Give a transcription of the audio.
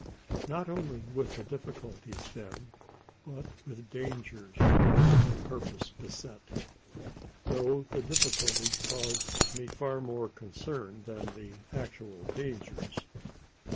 Not only with difficulties then, but with dangers was my purpose beset; though the difficulties caused me far more concern than the actual dangers.